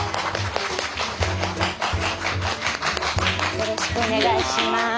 よろしくお願いします。